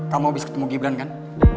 kamu habis ketemu gibran kan